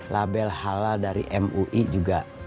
label halal dari mui juga